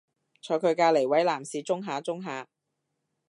坐佢隔離位男士舂下舂下